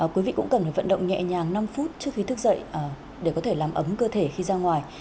quý vị cũng cần phải vận động nhẹ nhàng năm phút trước khi thức dậy để có thể làm ấm cơ thể khi ra ngoài